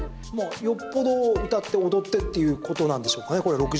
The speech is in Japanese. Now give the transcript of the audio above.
よっぽど歌って踊ってっていうことなんでしょうかね。